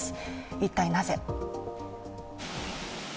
一体なぜ？